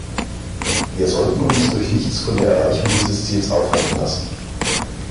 Wir sollten uns durch nichts von der Erreichung dieses Ziels aufhalten lassen.